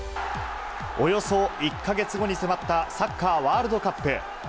およそ１か月後に迫ったサッカーワールドカップ。